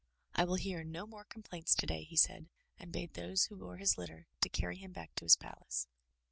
"I will hear no more complaints today," he said and bade those who bore his litter to carry him back to his palace.